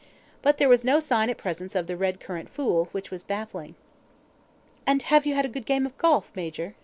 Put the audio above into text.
But there was no sign at present of the red currant fool, which was baffling. ... "And have you had a good game of golf, Major?"